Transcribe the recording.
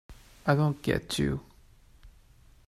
I don't get you.